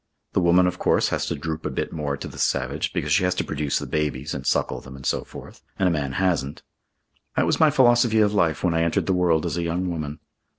The woman, of course, has to droop a bit more to the savage, because she has to produce the babies and suckle them, and so forth, and a man hasn't. That was my philosophy of life when I entered the world as a young woman.